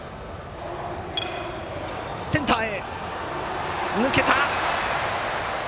センターへ、抜けた！